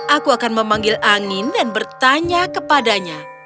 aku akan memanggil angin dan bertanya kepadanya